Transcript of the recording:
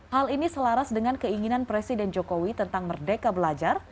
hal ini selaras dengan keinginan presiden jokowi tentang merdeka belajar